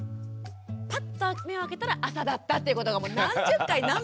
パッと目を開けたら朝だったってことが何十回何百回とあって。